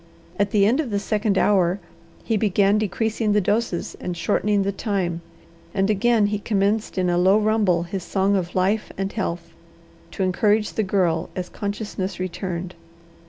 At the end of the second hour he began decreasing the doses and shortening the time, and again he commenced in a low rumble his song of life and health, to encourage the Girl as consciousness returned.